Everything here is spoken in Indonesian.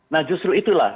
nah justru itulah